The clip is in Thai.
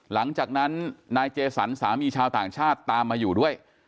หลังจากนั้นนายเจสันสามีชาวต่างชาติตามมาอยู่ด้วย